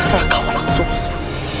raka walau susu